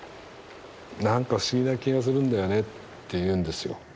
なんか不思議な気がするんだよねって言うんですよ。